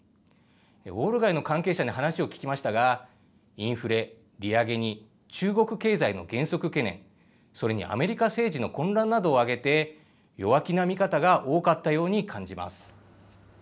ウォール街の関係者に話を聞きましたが、インフレ、利上げに中国経済の減速懸念、それにアメリカ政治の混乱などを挙げて、弱気な見方が多かったように感じます。